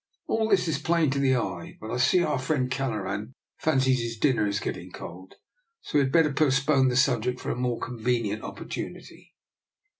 All this is plain to the eye; but I see our friend Kelleran fancies his dinner is getting cold, so we had better postpone the subject for a more convenient opportunity."